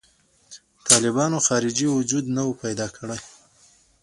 طالبانو خارجي وجود نه و پیدا کړی.